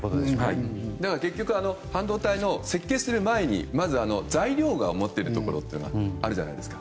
半導体の設計する前に材料を持っているところがあるじゃないですか。